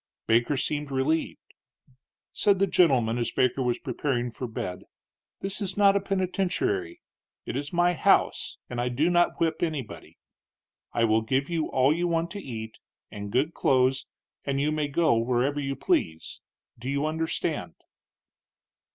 Baker seemed relieved. Said the gentleman, as Baker was preparing for bed: "This is not a penitentiary. It is my house, and I do not whip anybody. I will give you all you want to eat, and good clothes, and you may go wherever you please. Do you understand?"